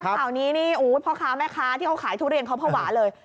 ข่าวนี้นี่พ่อค้าแม่ค้าที่เขาขายทุเรียนเขาภาวะเลย